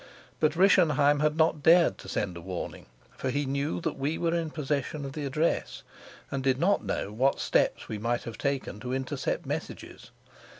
But Rischenheim had not dared to send a warning, for he knew that we were in possession of the address and did not know what steps we might have taken to intercept messages.